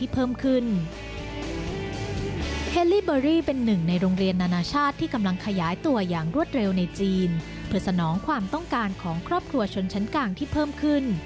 เพื่อตอบสนองความต้องการที่เพิ่มขึ้น